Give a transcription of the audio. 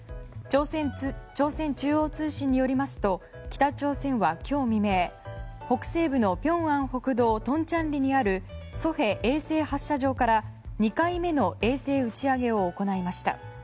朝鮮中央通信によりますと北朝鮮は今日未明北西部のピョンアン北道トンチャンリにあるソヘ衛星発射場から２回目の衛星打ち上げを行いました。